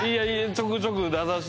ちょくちょく出させて。